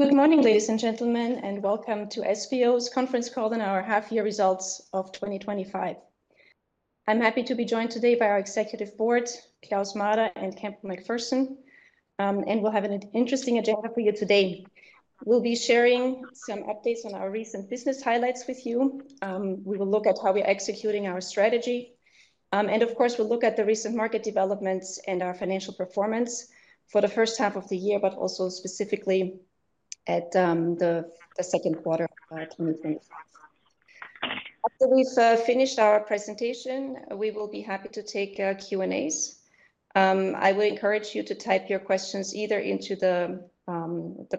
Good morning, ladies and gentlemen, and welcome to SBO's Conference Call on our Half-Year Results of 2025. I'm happy to be joined today by our Executive Board, Klaus Mader and Campbell McPherson, and we'll have an interesting agenda for you today😔. We'll be sharing some updates on our recent business highlights with you. We will look at how we are executing our strategy, and of course, we'll look at the recent market developments and our financial performance for the first half of the year, but also specifically at the second quarter of 2023. After we've finished our presentation, we will be happy to take Q&As. I would encourage you to type your questions either into the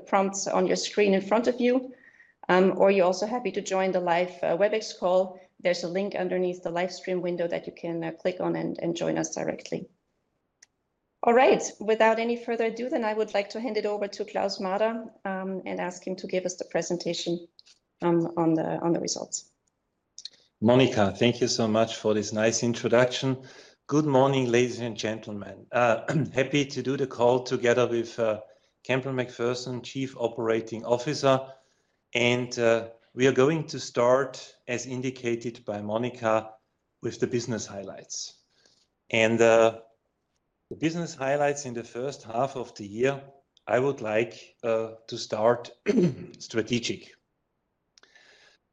prompts on your screen in front of you, or you're also happy to join the live Webex call. There's a link underneath the livestream window that you can click on and join us directly. All right, without any further ado, I would like to hand it over to Klaus Mader and ask him to give us the presentation on the results. Monika, thank you so much for this nice introduction. Good morning, ladies and gentlemen. Happy to do the call together with Campbell McPherson, Chief Operating Officer, and we are going to start, as indicated by Monika, with the business highlights. The business highlights in the first half of the year, I would like to start strategic.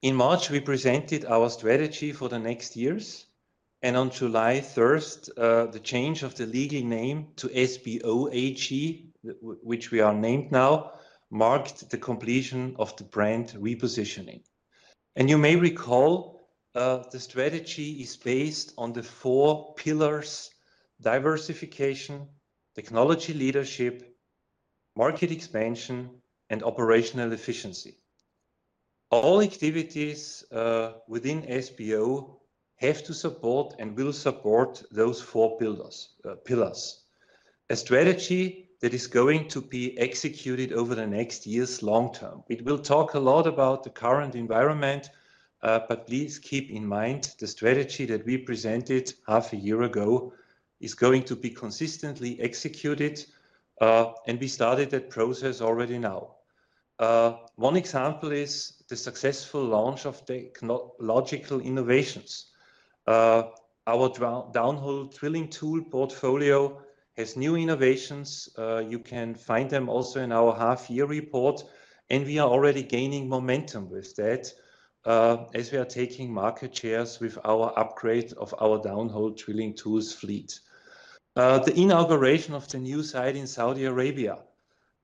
In March, we presented our strategy for the next years, and on July 1st, the change of the legal name to SBO AG, which we are named now, marked the completion of the brand repositioning. You may recall, the strategy is based on the four pillars: diversification, technology leadership, market expansion, and operational efficiency. All activities within SBO have to support and will support those four pillars. A strategy that is going to be executed over the next years long term. We will talk a lot about the current environment, but please keep in mind the strategy that we presented half a year ago is going to be consistently executed, and we started that process already now. One example is the successful launch of technological innovations. Our downhole drilling tool portfolio has new innovations. You can find them also in our half-year report, and we are already gaining momentum with that as we are taking market shares with our upgrade of our downhole drilling tools fleet. The inauguration of the new site in Saudi Arabia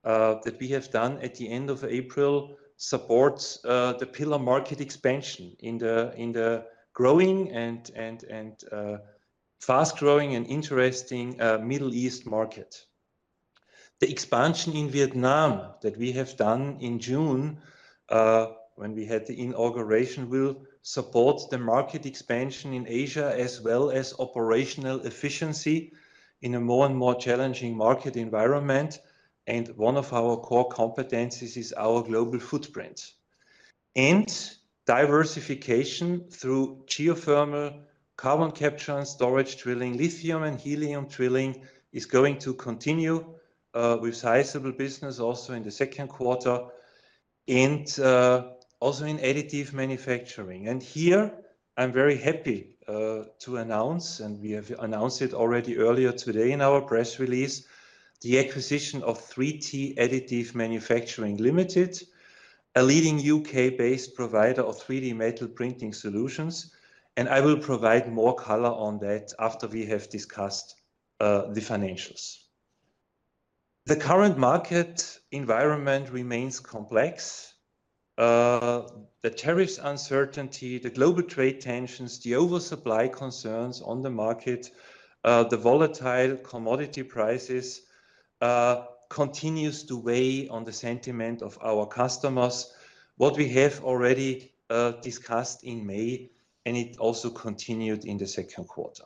that we have done at the end of April supports the pillar market expansion in the growing and fast-growing and interesting Middle East market. The expansion in Vietnam that we have done in June when we had the inauguration will support the market expansion in Asia as well as operational efficiency in a more and more challenging market environment. One of our core competencies is our global footprint. Diversification through geothermal, carbon capture and storage drilling, lithium and helium drilling is going to continue with sizable business also in the second quarter and also in additive manufacturing. Here, I'm very happy to announce, and we have announced it already earlier today in our press release, the acquisition of 3T Additive Manufacturing Limited, a leading U.K -based provider of 3D metal printing solutions. I will provide more color on that after we have discussed the financials. The current market environment remains complex. The tariffs uncertainty, the global trade tensions, the oversupply concerns on the market, the volatile commodity prices continue to weigh on the sentiment of our customers. What we have already discussed in May, and it also continued in the second quarter.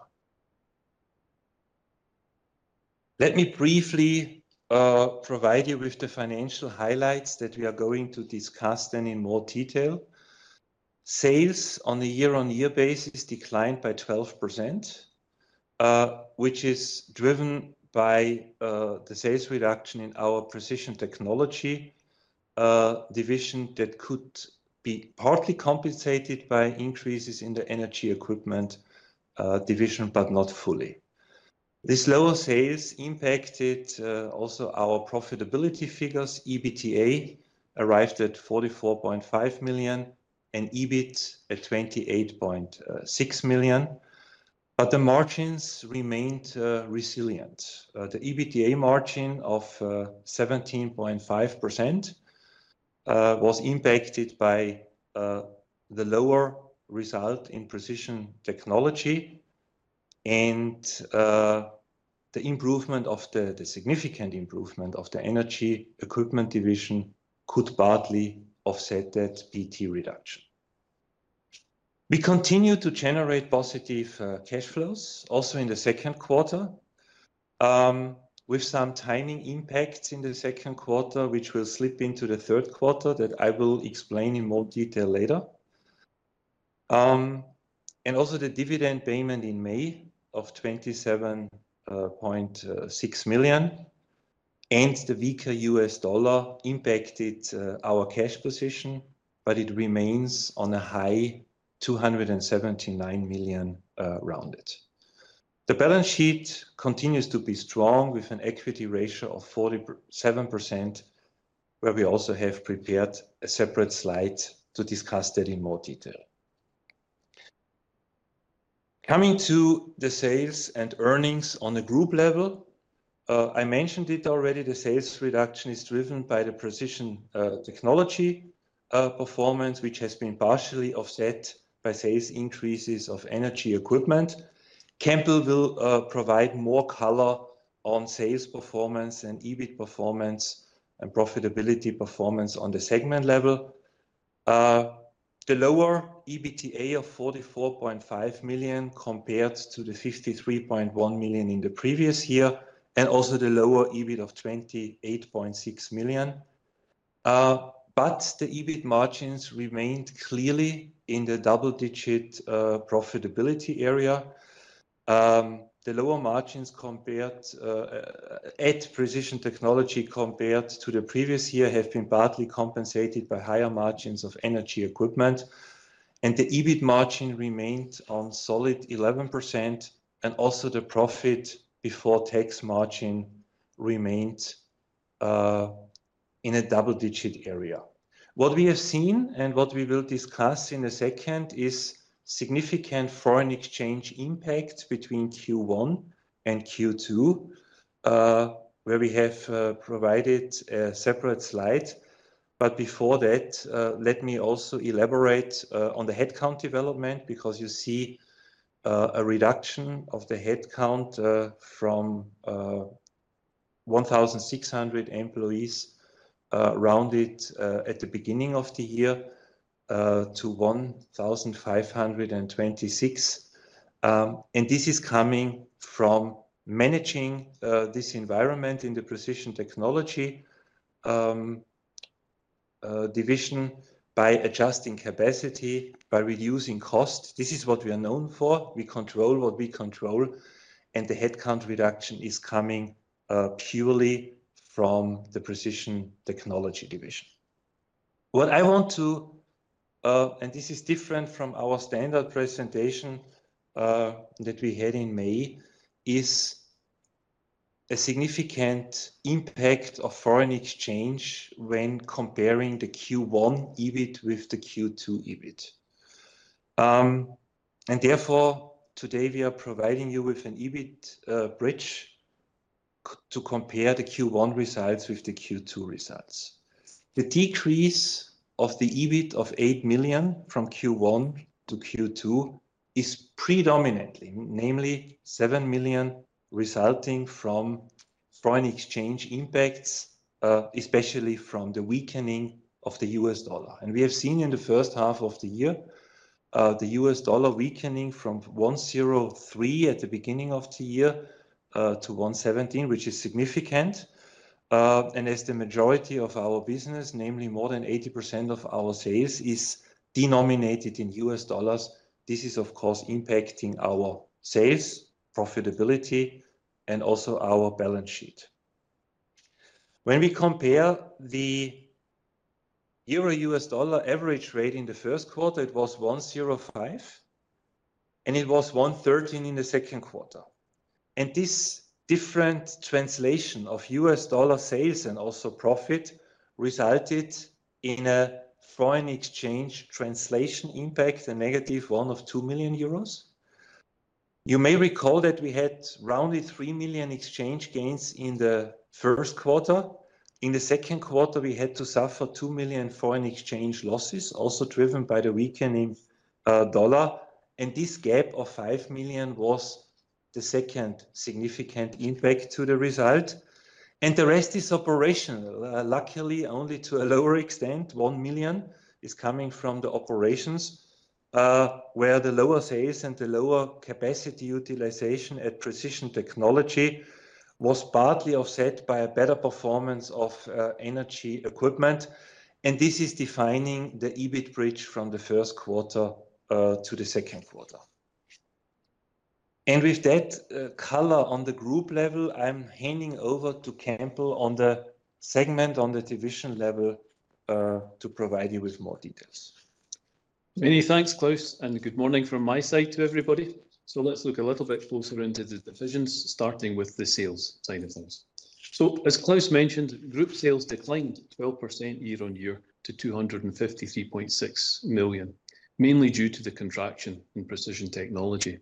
Let me briefly provide you with the financial highlights that we are going to discuss then in more detail. Sales on a year-on-year basis declined by 12%, which is driven by the sales reduction in our precision technology division that could be partly compensated by increases in the energy equipment division, but not fully. This lower sales impacted also our profitability figures. EBITDA arrived at 44.5 million and EBIT at 28.6 million, but the margins remained resilient. The EBITDA margin of 17.5% was impacted by the lower result in precision technology, and the improvement of the significant improvement of the energy equipment division could partly offset that PT reduction. We continue to generate positive cash flows also in the second quarter with some timing impacts in the second quarter, which will slip into the third quarter that I will explain in more detail later. Also, the dividend payment in May of 27.6 million and the weaker U.S. dollar impacted our cash position, but it remains on a high 279 million rounded. The balance sheet continues to be strong with an equity ratio of 47%, where we also have prepared a separate slide to discuss that in more detail. Coming to the sales and earnings on a group level, I mentioned it already, the sales reduction is driven by the precision technology performance, which has been partially offset by sales increases of energy equipment. Campbell will provide more color on sales performance and EBIT performance and profitability performance on the segment level. The lower EBITDA of 44.5 million compared to the 53.1 million in the previous year and also the lower EBIT of 28.6 million. The EBIT margins remained clearly in the double-digit profitability area. The lower margins at precision technology compared to the previous year have been partly compensated by higher margins of energy equipment, and the EBIT margin remained on solid 11%, and also the profit before tax margin remained in a double-digit area. What we have seen and what we will discuss in a second is significant foreign exchange impact between Q1 and Q2, where we have provided a separate slide. Before that, let me also elaborate on the headcount development because you see a reduction of the headcount from 1,600 employees rounded at the beginning of the year to 1,526. This is coming from managing this environment in the precision technology division by adjusting capacity by reducing cost. This is what we are known for. We control what we control, and the headcount reduction is coming purely from the precision technology division. What I want to, and this is different from our standard presentation that we had in May, is a significant impact of foreign exchange when comparing the Q1 EBIT with the Q2 EBIT. Therefore, today we are providing you with an EBIT bridge to compare the Q1 results with the Q2 results. The decrease of the EBIT of 8 million from Q1-Q2 is predominantly, namely, 7 million resulting from foreign exchange impacts, especially from the weakening of the U.S. dollar. We have seen in the first half of the year the U.S. dollar weakening from 1.03 at the beginning of the year to 1.17, which is significant. As the majority of our business, namely more than 80% of our sales, is denominated in U.S. dollars, this is, of course, impacting our sales profitability and also our balance sheet. When we compare the euro U.S. dollar average rate in the first quarter, it was 1.05, and it was 1.13 in the second quarter. This different translation of U.S. dollar sales and also profit resulted in a foreign exchange translation impact, a negative one of 2 million euros. You may recall that we had rounded 3 million exchange gains in the first quarter. In the second quarter, we had to suffer 2 million foreign exchange losses, also driven by the weakening dollar. This gap of 5 million was the second significant impact to the result. The rest is operational. Luckily, only to a lower extent, 1 million is coming from the operations, where the lower sales and the lower capacity utilization at precision technology was partly offset by a better performance of energy equipment. This is defining the EBIT bridge from the first quarter to the second quarter. With that color on the group level, I'm handing over to Campbell on the segment on the division level to provide you with more details. Many thanks, Klaus, and good morning from my side to everybody. Let's look a little bit closer into the divisions, starting with the sales side of things. As Klaus mentioned, group sales declined 12% year-on-year to 253.6 million, mainly due to the contraction in precision technology.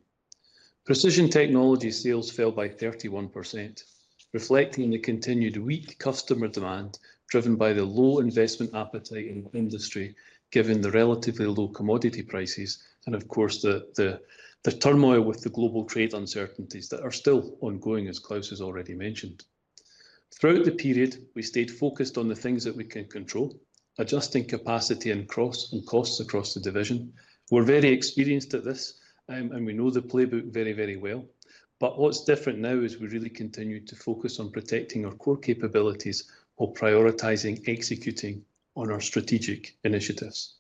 Precision technology sales fell by 31%, reflecting the continued weak customer demand driven by the low investment appetite in the industry, given the relatively low commodity prices and, of course, the turmoil with the global trade uncertainties that are still ongoing, as Klaus has already mentioned. Throughout the period, we stayed focused on the things that we can control, adjusting capacity and costs across the division. We're very experienced at this, and we know the playbook very, very well. What's different now is we really continue to focus on protecting our core capabilities while prioritizing executing on our strategic initiatives.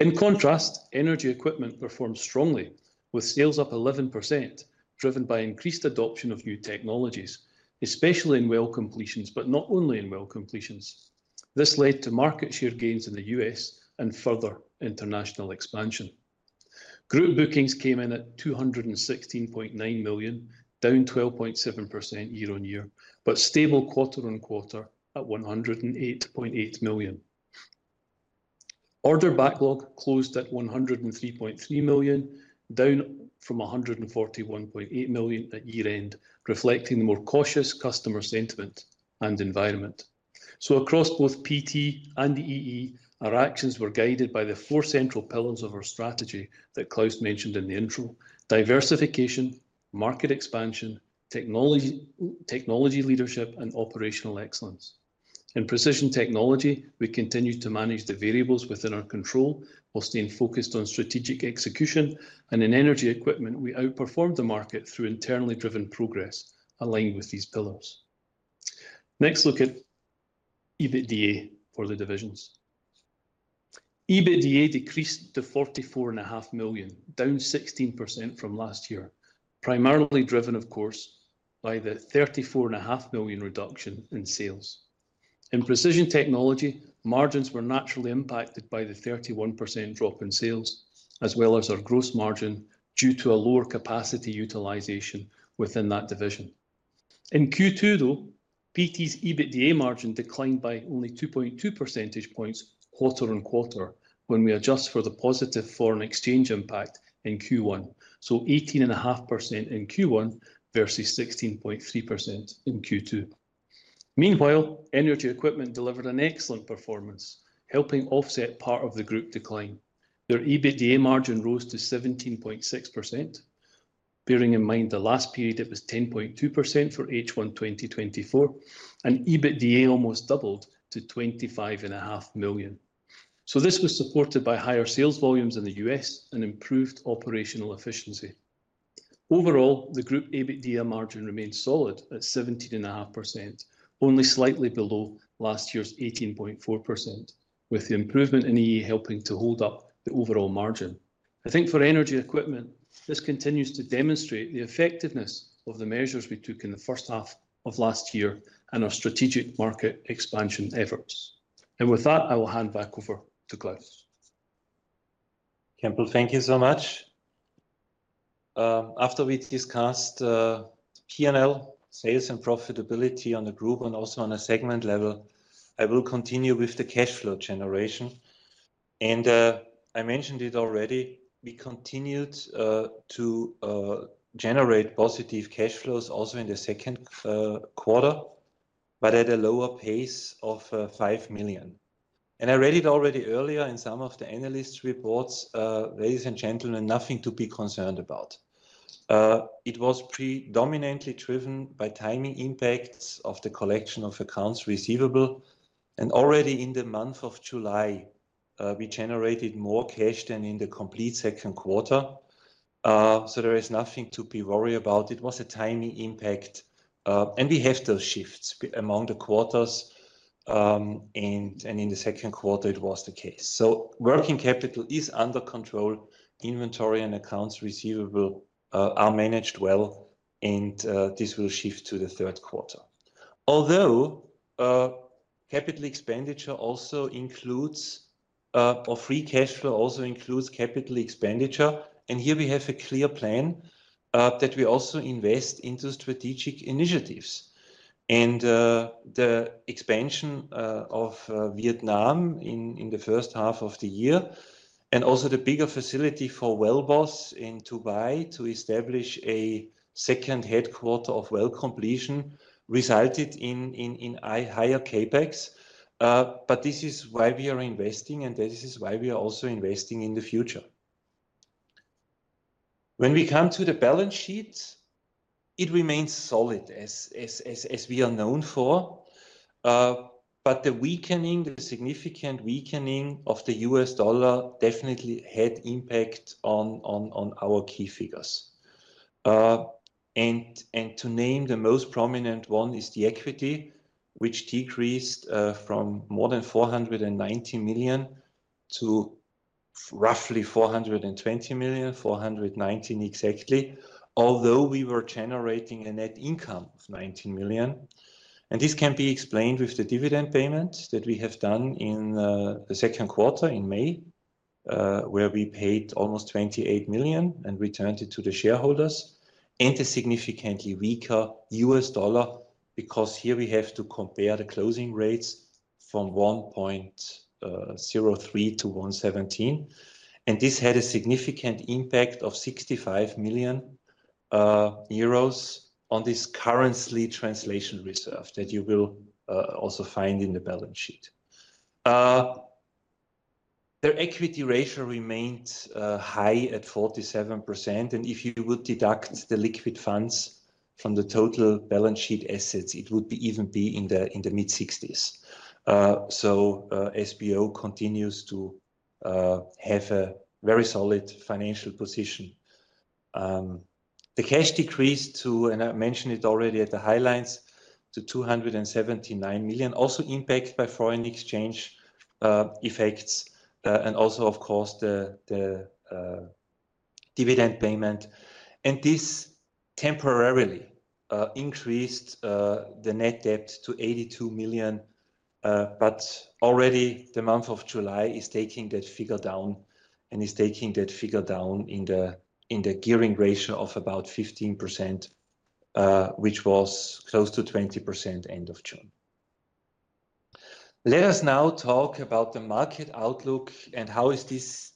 In contrast, energy equipment performed strongly with sales up 11%, driven by increased adoption of new technologies, especially in well completions, but not only in well completions. This led to market share gains in the U.S. and further international expansion. Group bookings came in at 216.9 million, down 12.7% year-on-year, but stable quarter-on-quarter at 108.8 million. Order backlog closed at 103.3 million, down from 141.8 million at year end, reflecting more cautious customer sentiment and environment. Across both PT and the EE, our actions were guided by the four central pillars of our strategy that Klaus mentioned in the intro: diversification, market expansion, technology leadership, and operational excellence. In precision technology, we continued to manage the variables within our control while staying focused on strategic execution. In energy equipment, we outperformed the market through internally driven progress aligned with these pillars. Next, look at EBITDA for the divisions. EBITDA decreased to 44.5 million, down 16% from last year, primarily driven, of course, by the 34.5 million reduction in sales. In precision technology, margins were naturally impacted by the 31% drop in sales, as well as our gross margin due to a lower capacity utilization within that division. In Q2, though, PT's EBITDA margin declined by only 2.2 percentage points quarter on quarter when we adjust for the positive foreign exchange impact in Q1. So 18.5% in Q1 versus 16.3% in Q2. Meanwhile, energy equipment delivered an excellent performance, helping offset part of the group decline. Their EBITDA margin rose to 17.6%, bearing in mind the last period it was 10.2% for H1 2024, and EBITDA almost doubled to 25.5 million. This was supported by higher sales volumes in the U.S. and improved operational efficiency. Overall, the group EBITDA margin remains solid at 17.5%, only slightly below last year's 18.4%, with the improvement in energy equipment helping to hold up the overall margin. I think for energy equipment, this continues to demonstrate the effectiveness of the measures we took in the first half of last year and our strategic market expansion efforts. With that, I will hand back over to Klaus. Campbell, thank you so much. After we discussed P&L, sales and profitability on the group, and also on a segment level, I will continue with the cash flow generation. I mentioned it already, we continued to generate positive cash flows also in the second quarter, but at a lower pace of 5 million. I read it already earlier in some of the analysts' reports, ladies and gentlemen, nothing to be concerned about. It was predominantly driven by tiny impacts of the collection of accounts receivable. Already in the month of July, we generated more cash than in the complete second quarter. There is nothing to be worried about. It was a tiny impact, and we have those shifts among the quarters, and in the second quarter, it was the case. Working capital is under control. Inventory and accounts receivable are managed well, and this will shift to the third quarter. Although free cash flow also includes capital expenditure, and here we have a clear plan that we also invest into strategic initiatives. The expansion of Vietnam in the first half of the year, and also the bigger facility for Wellbos in Dubai to establish a second headquarter of well completion resulted in higher CapEx. This is why we are investing, and this is why we are also investing in the future. When we come to the balance sheet, it remains solid as we are known for. The significant weakening of the U.S. dollar definitely had impact on our key figures. To name the most prominent one is the equity, which decreased from more than 419 million to roughly 420 million, 419 million exactly, although we were generating a net income of 19 million. This can be explained with the dividend payments that we have done in the second quarter in May, where we paid almost 28 million and returned it to the shareholders and a significantly weaker U.S. dollar because here we have to compare the closing rates from 1.03-1.17. This had a significant impact of 65 million euros on this currency translation reserve that you will also find in the balance sheet. The equity ratio remained high at 47%, and if you would deduct the liquid funds from the total balance sheet assets, it would even be in the mid-60s. SBO continues to have a very solid financial position. The cash decreased to, and I mentioned it already at the highlights, to 279 million, also impacted by foreign exchange effects and also, of course, the dividend payment. This temporarily increased the net debt to 82 million, but already the month of July is taking that figure down and is taking that figure down in the gearing ratio of about 15%, which was close to 20% at the end of June. Let us now talk about the market outlook and how this is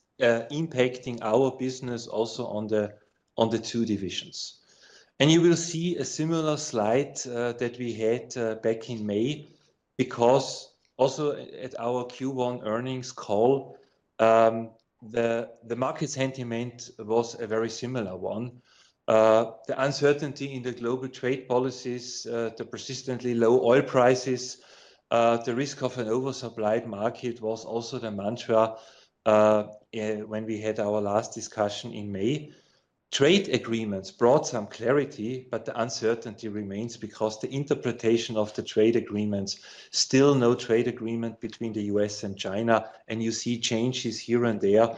impacting our business also on the two divisions. You will see a similar slide that we had back in May because also at our Q1 earnings call, the market sentiment was a very similar one. The uncertainty in the global trade policies, the persistently low oil prices, the risk of an oversupplied market was also the mantra when we had our last discussion in May. Trade agreements brought some clarity, but the uncertainty remains because the interpretation of the trade agreements, still no trade agreement between the U.S. and China, and you see changes here and there,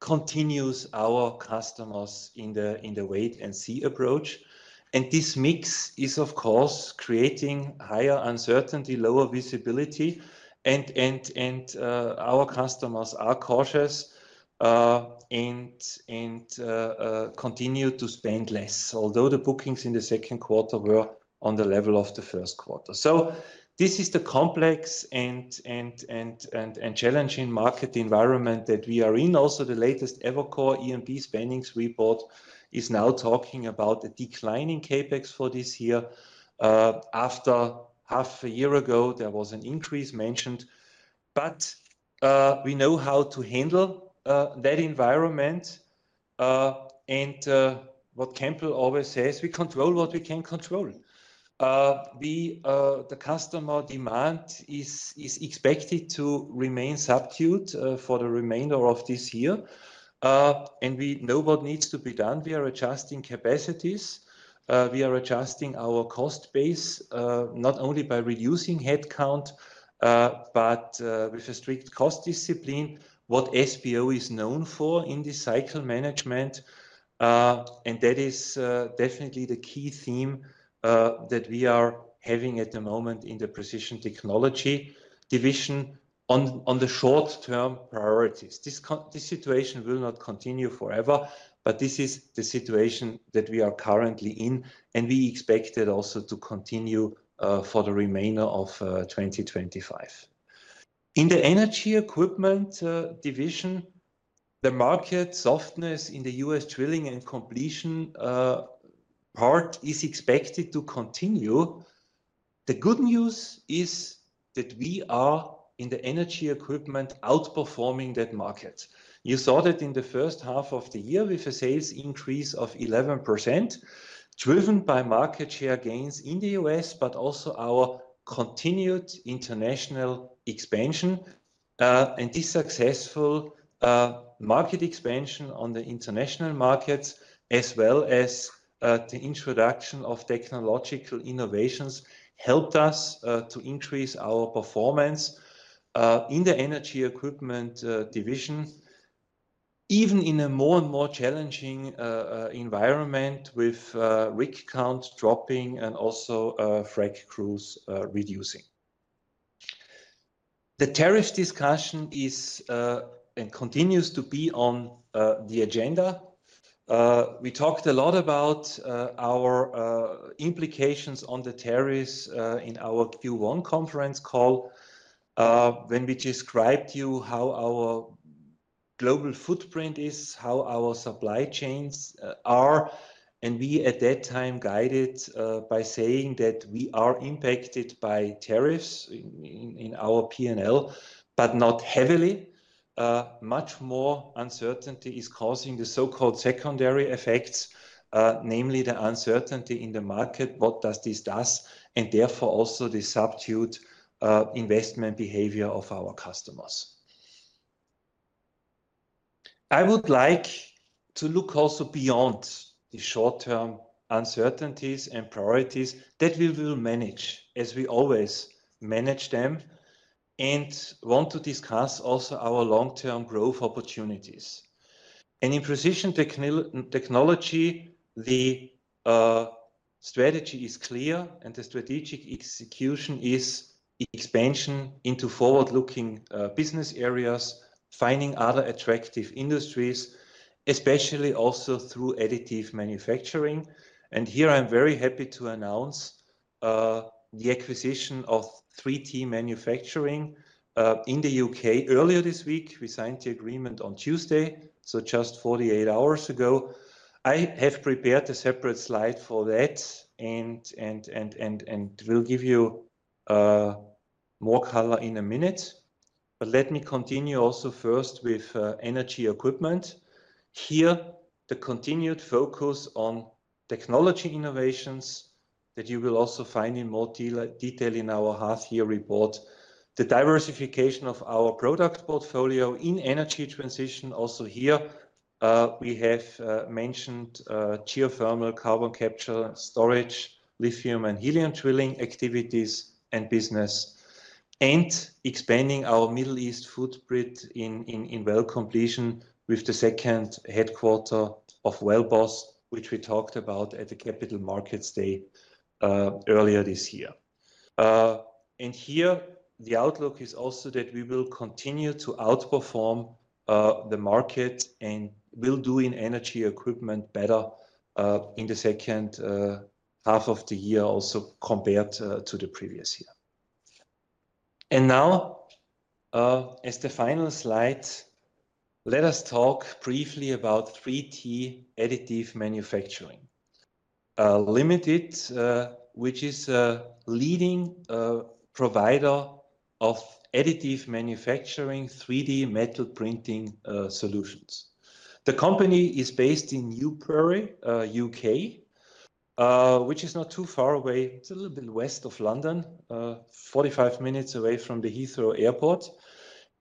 continues our customers in the wait and see approach. This mix is, of course, creating higher uncertainty, lower visibility, and our customers are cautious and continue to spend less, although the bookings in the second quarter were on the level of the first quarter. This is the complex and challenging market environment that we are in. Also, the latest Evercore E&P spendings report is now talking about a declining CapEx for this year. After half a year ago, there was an increase mentioned. We know how to handle that environment. What Campbell always says, we control what we can control. The customer demand is expected to remain subdued for the remainder of this year. We know what needs to be done. We are adjusting capacities. We are adjusting our cost base, not only by reducing headcount, but with a strict cost discipline, what SBO is known for in the cycle management. That is definitely the key theme that we are having at the moment in the precision technology division on the short-term priorities. This situation will not continue forever, but this is the situation that we are currently in, and we expect it also to continue for the remainder of 2025. In the energy equipment division, the market softness in the U.S. drilling and completion part is expected to continue. The good news is that we are in the energy equipment outperforming that market. You saw that in the first half of the year with a sales increase of 11%, driven by market share gains in the U.S., but also our continued international expansion, and this successful market expansion on the international markets, as well as the introduction of technological innovations, helped us to increase our performance in the energy equipment division, even in a more and more challenging environment with rig count dropping and also frack crews reducing. The tariff discussion is and continues to be on the agenda. We talked a lot about our implications on the tariffs in our Q1 conference call when we described to you how our global footprint is, how our supply chains are. At that time, guided by saying that we are impacted by tariffs in our P&L, but not heavily. Much more uncertainty is causing the so-called secondary effects, namely the uncertainty in the market, what does this do, and therefore also the subdued investment behavior of our customers. I would like to look also beyond the short-term uncertainties and priorities that we will manage, as we always manage them, and want to discuss also our long-term growth opportunities. In precision technology, the strategy is clear, and the strategic execution is expansion into forward-looking business areas, finding other attractive industries, especially also through additive manufacturing. Here, I'm very happy to announce the acquisition of 3T Additive Manufacturing Limited in the U.K earlier this week. We signed the agreement on Tuesday, so just 48 hours ago. I have prepared a separate slide for that, and will give you more color in a minute. Let me continue also first with energy equipment. Here, the continued focus on technology innovations that you will also find in more detail in our half-year report. The diversification of our product portfolio in energy transition, also here, we have mentioned geothermal, carbon capture and storage, lithium and helium drilling activities and business, and expanding our Middle East footprint in well completion with the second headquarter of Wellbos, which we talked about at the Capital Markets Day earlier this year. The outlook is also that we will continue to outperform the market and will do in energy equipment better in the second half of the year, also compared to the previous year. As the final slides, let us talk briefly about 3T Additive Manufacturing Limited, which is a leading provider of additive manufacturing 3D metal printing solutions. The company is based in Newbury, U.K., which is not too far away. It's a little bit west of London, 45 minutes away from Heathrow Airport.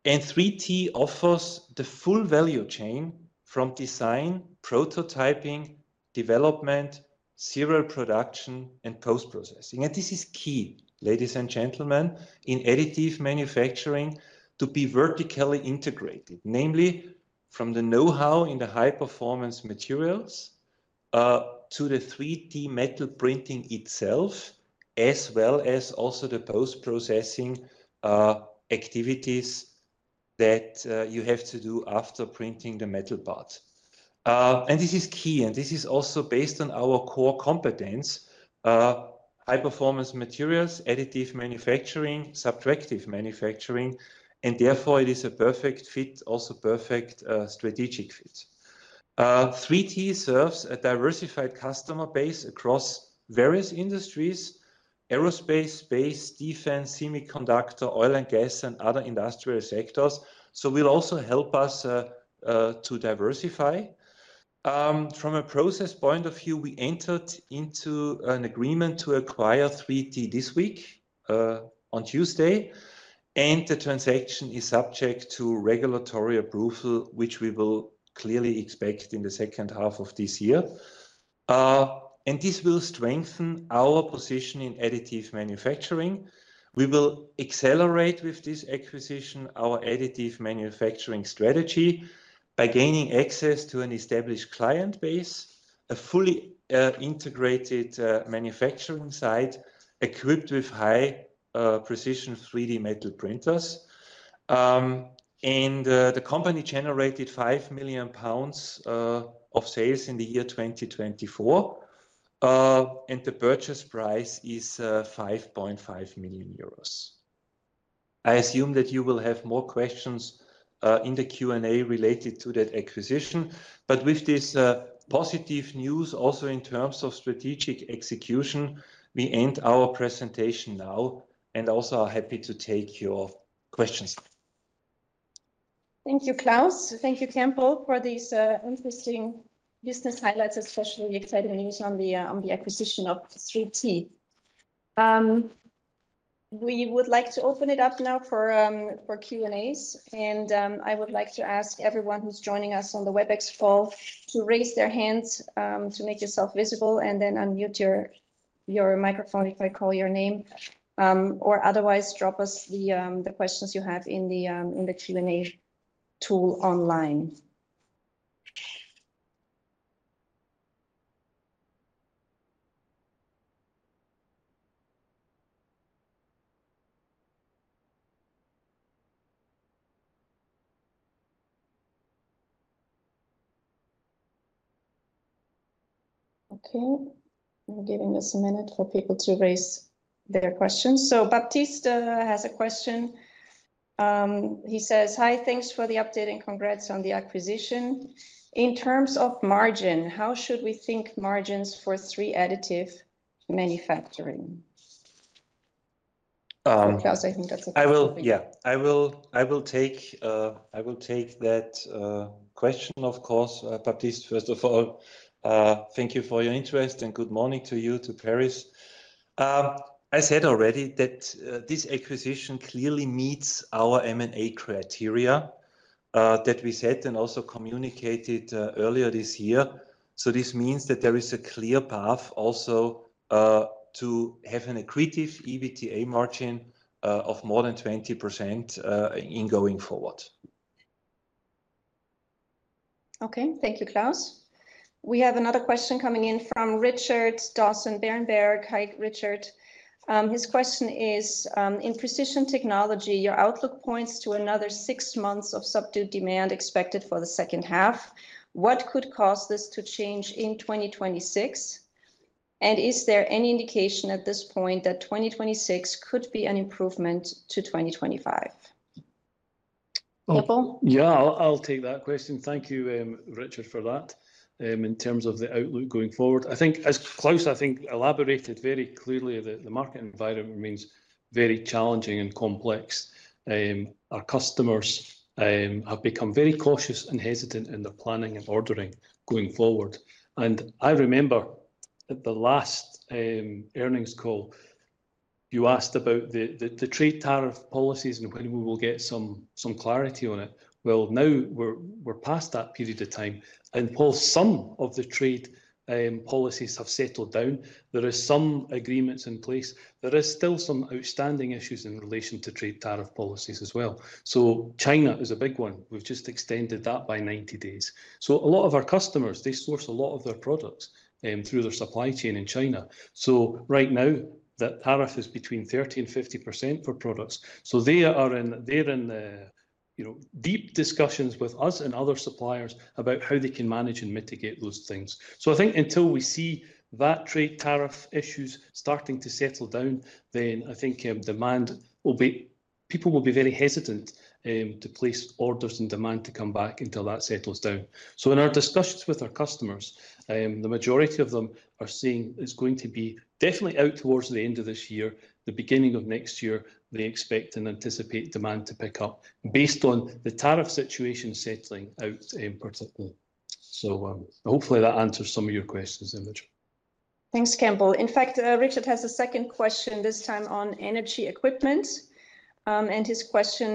3T offers the full value chain from design, prototyping, development, serial production, and post-processing. This is key, ladies and gentlemen, in additive manufacturing to be vertically integrated, namely from the know-how in the high-performance materials to the 3D metal printing itself, as well as also the post-processing activities that you have to do after printing the metal part. This is key, and this is also based on our core competence: high-performance materials, additive manufacturing, subtractive manufacturing, and therefore, it is a perfect fit, also a perfect strategic fit. 3T serves a diversified customer base across various industries: aerospace, space, defense, semiconductor, oil and gas, and other industrial sectors. It will also help us to diversify. From a process point of view, we entered into an agreement to acquire 3T this week, on Tuesday, and the transaction is subject to regulatory approval, which we will clearly expect in the second half of this year. This will strengthen our position in additive manufacturing. We will accelerate with this acquisition our additive manufacturing strategy by gaining access to an established client base, a fully integrated manufacturing site equipped with high-precision 3D metal printers. The company generated 5 million pounds of sales in the year 2024, and the purchase price is 5.5 million euros. I assume that you will have more questions in the Q&A related to that acquisition. With this positive news, also in terms of strategic execution, we end our presentation now and are happy to take your questions. Thank you, Klaus. Thank you, Campbell, for these interesting business highlights, especially the exciting news on the acquisition of 3T. We would like to open it up now for Q&As, and I would like to ask everyone who's joining us on the Webex call to raise their hands to make yourself visible and then unmute your microphone if I call your name, or otherwise drop us the questions you have in the Q&A tool online. Okay. I'm giving this a minute for people to raise their questions. Baptiste has a question. He says, "Hi, thanks for the update and congrats on the acquisition. In terms of margin, how should we think margins for 3 additive manufacturing? Klaus, I think that's a Yeah, I will take that question, of course. Baptiste, first of all, thank you for your interest and good morning to you, to Paris. I said already that this acquisition clearly meets our M&A criteria that we set and also communicated earlier this year. This means that there is a clear path also to have an accretive EBITDA margin of more than 20% going forward. Okay. Thank you, Klaus. We have another question coming in from Richard Dawson-Berenberg. Hi, Richard. His question is, "In precision technology, your outlook points to another six months of subdued demand expected for the second half. What could cause this to change in 2026? Is there any indication at this point that 2026 could be an improvement to 2025?" Campbell? Yeah, I'll take that question. Thank you, Richard, for that. In terms of the outlook going forward, I think, as Klaus elaborated very clearly, the market environment remains very challenging and complex. Our customers have become very cautious and hesitant in their planning and ordering going forward. I remember at the last earnings call, you asked about the trade tariff policies and when we will get some clarity on it. Now we're past that period of time. While some of the trade policies have settled down, there are some agreements in place. There are still some outstanding issues in relation to trade tariff policies as well. China is a big one. We've just extended that by 90 days. A lot of our customers source a lot of their products through their supply chain in China. Right now, that tariff is between 30% and 50% for products. They are in deep discussions with us and other suppliers about how they can manage and mitigate those things. I think until we see that trade tariff issues starting to settle down, people will be very hesitant to place orders and demand to come back until that settles down. In our discussions with our customers, the majority of them are saying it's going to be definitely out towards the end of this year, the beginning of next year. They expect and anticipate demand to pick up based on the tariff situation settling out in particular. Hopefully, that answers some of your questions, Emmerich. Thanks, Campbell. In fact, Richard has a second question, this time on energy equipment. His question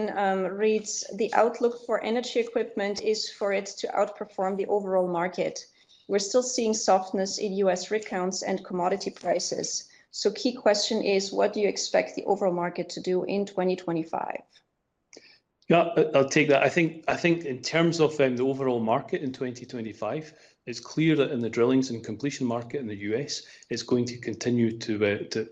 reads, "The outlook for energy equipment is for it to outperform the overall market. We're still seeing softness in U.S. recounts and commodity prices." The key question is, what do you expect the overall market to do in 2025? Yeah, I'll take that. I think in terms of the overall market in 2025, it's clear that in the drillings and completion market in the U.S., it's going to continue to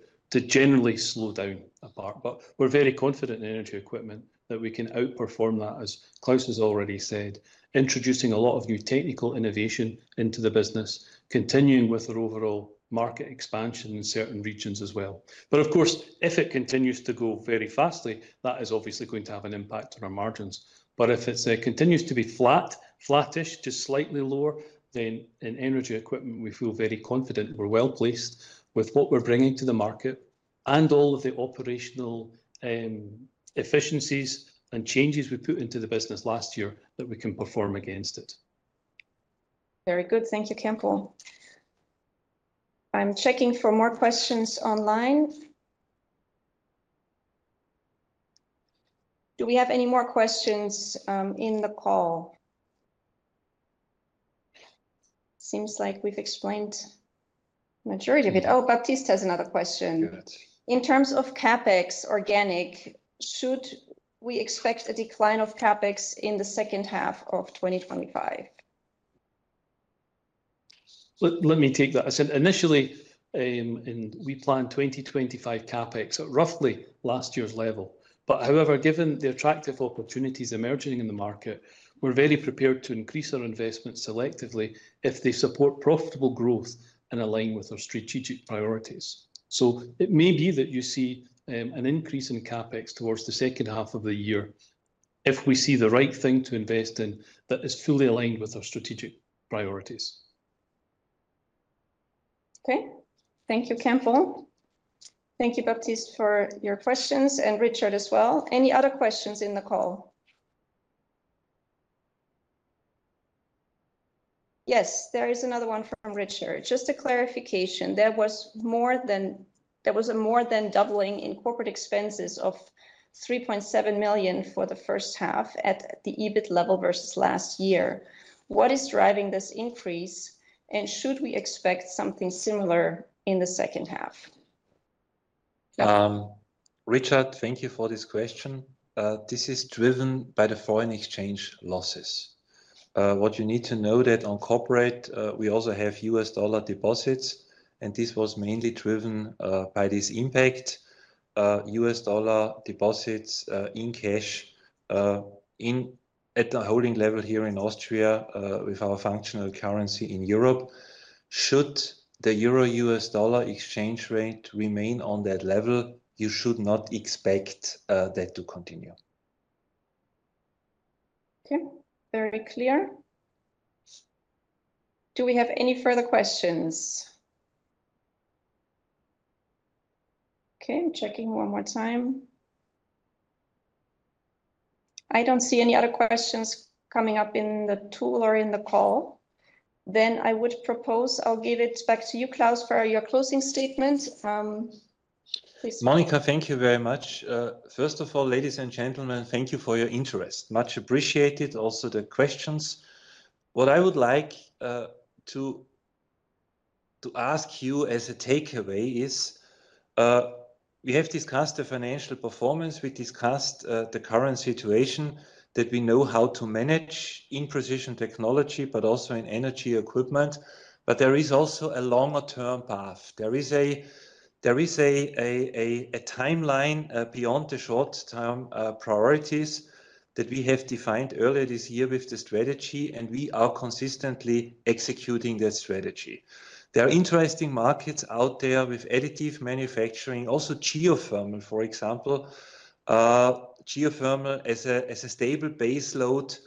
generally slow down apart. We're very confident in energy equipment that we can outperform that, as Klaus has already said, introducing a lot of new technical innovation into the business, continuing with our overall market expansion in certain regions as well. Of course, if it continues to go very fastly, that is obviously going to have an impact on our margins. If it continues to be flat, flattish, just slightly lower, then in energy equipment, we feel very confident we're well placed with what we're bringing to the market and all of the operational efficiencies and changes we put into the business last year that we can perform against it. Very good. Thank you, Campbell. I'm checking for more questions online. Do we have any more questions in the call? Seems like we've explained the majority of it. Oh, Baptiste has another question. Good. In terms of CapEx organic, should we expect a decline of CapEx in the second half of 2025? Let me take that. I said initially, we planned 2025 CapEx at roughly last year's level. However, given the attractive opportunities emerging in the market, we're very prepared to increase our investments selectively if they support profitable growth and align with our strategic priorities. It may be that you see an increase in CapEx towards the second half of the year if we see the right thing to invest in that is fully aligned with our strategic priorities. Okay. Thank you, Campbell. Thank you, Baptiste, for your questions, and Richard as well. Any other questions in the call? Yes, there is another one from Richard. Just a clarification, there was more than doubling in corporate expenses of 3.7 million for the first half at the EBIT level versus last year. What is driving this increase, and should we expect something similar in the second half? Richard, thank you for this question. This is driven by the foreign exchange losses. What you need to know is that on corporate, we also have U.S. dollar deposits, and this was mainly driven by this impact. U.S. dollar deposits in cash at the holding level here in Austria with our functional currency in Europe. Should the euro U.S. dollar exchange rate remain on that level, you should not expect that to continue. Okay. Very clear. Do we have any further questions? Okay. I'm checking one more time. I don't see any other questions coming up in the tool or in the call. I would propose I'll give it back to you, Klaus, for your closing statement. Monika, thank you very much. First of all, ladies and gentlemen, thank you for your interest. Much appreciated, also the questions. What I would like to ask you as a takeaway is we have discussed the financial performance. We discussed the current situation that we know how to manage in precision technology, but also in energy equipment. There is also a longer-term path. There is a timeline beyond the short-term priorities that we have defined earlier this year with the strategy, and we are consistently executing this strategy. There are interesting markets out there with additive manufacturing, also geothermal, for example. Geothermal as a stable baseload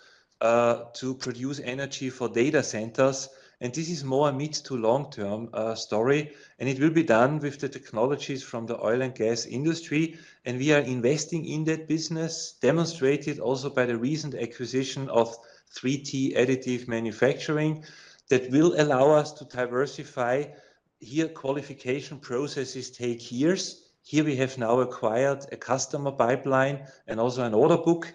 to produce energy for data centers. This is more a mid to long-term story, and it will be done with the technologies from the oil and gas industry. We are investing in that business, demonstrated also by the recent acquisition of 3T Additive Manufacturing that will allow us to diversify. Here, qualification processes take years. We have now acquired a customer pipeline and also an order book.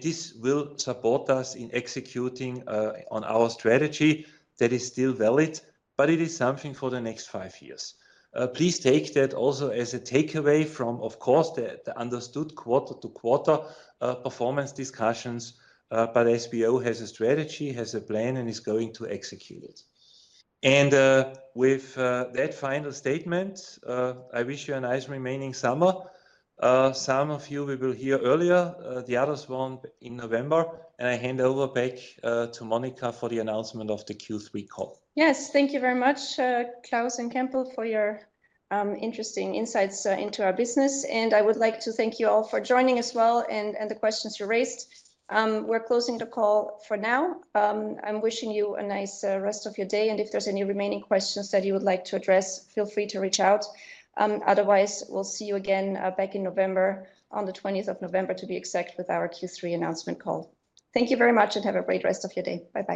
This will support us in executing on our strategy that is still valid, but it is something for the next five years. Please take that also as a takeaway from, of course, the understood quarter-to-quarter performance discussions, but SBO has a strategy, has a plan, and is going to execute it. With that final statement, I wish you a nice remaining summer. Some of you, we will hear earlier, the others won't in November. I hand over back to Monika for the announcement of the Q3 call. Yes, thank you very much, Klaus and Campbell, for your interesting insights into our business. I would like to thank you all for joining as well and the questions you raised. We're closing the call for now. I'm wishing you a nice rest of your day. If there's any remaining questions that you would like to address, feel free to reach out. Otherwise, we'll see you again back in November, on the 20th of November, to be exact, with our Q3 announcement call. Thank you very much and have a great rest of your day. Bye-bye.